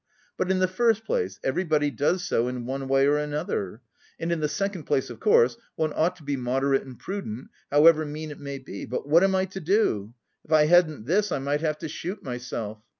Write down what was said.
But in the first place, everybody does so in one way or another, and in the second place, of course, one ought to be moderate and prudent, however mean it may be, but what am I to do? If I hadn't this, I might have to shoot myself.